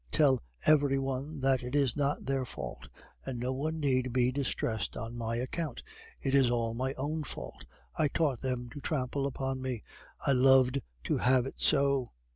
Tell every one that it is not their fault, and no one need be distressed on my account. It is all my own fault, I taught them to trample upon me. I loved to have it so.